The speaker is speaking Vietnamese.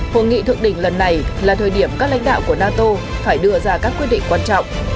hội nghị thượng đỉnh lần này là thời điểm các lãnh đạo của nato phải đưa ra các quyết định quan trọng